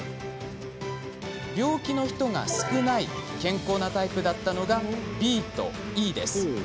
病気の人が少ない健康なタイプだったのが、ＢとＥ。